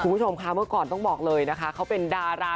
คุณผู้ชมค่ะเมื่อก่อนต้องบอกเลยนะคะเขาเป็นดารา